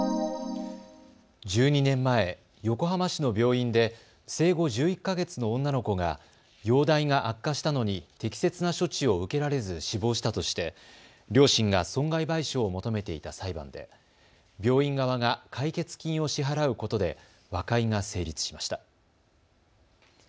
１２年前、横浜市の病院で生後１１か月の女の子が容体が悪化したのに適切な処置を受けられず死亡したとして両親が損害賠償を求めていた裁判で病院側が解決金を支払うことで和解が成立しました。